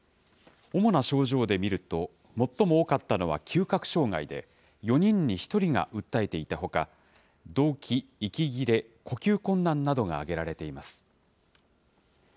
主な症状で見ると、最も多かったのは嗅覚障害で４人に１人が訴えていたほか、どうき・息切れ・呼吸困難などが挙げられています。